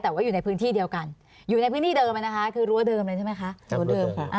แต่ว่าอยู่ในพื้นที่เดียวกันอยู่ในพื้นที่เดิมนะคะคือรั้วเดิมเลยใช่ไหมคะรั้วเดิมค่ะ